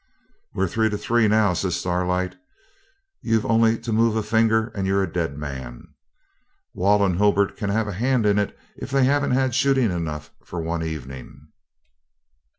'We're three to three, now,' says Starlight; 'you've only to move a finger and you're a dead man. Wall and Hulbert can have a hand in it if they haven't had shooting enough for one evening.